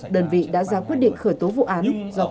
đơn vị đã ra quyết định khởi tố vụ án